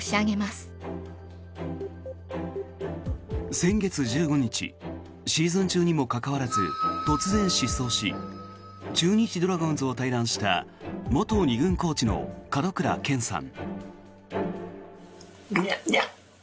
先月１５日シーズン中にもかかわらず突然失踪し中日ドラゴンズを退団した元２軍コーチの門倉健さん。